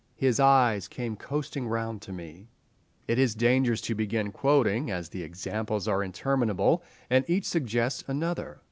"His eyes came coasting round to me." It is dangerous to begin quoting, as the examples are interminable, and each suggests another.